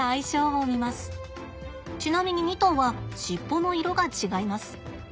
ちなみに２頭は尻尾の色が違います。